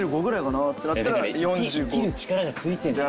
生きる力がついてるんだよ。